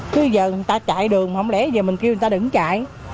cứ giờ người ta chạy đường mà không lẽ giờ mình kêu người ta đứng chạy